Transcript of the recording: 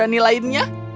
adalah dia bahagia